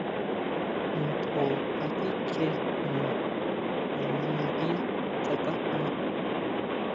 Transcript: Ntjo kasikjie jno, to nangui tsákajna.